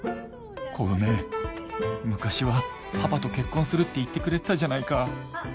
小梅昔はパパと結婚するって言ってくれてたじゃないかあっ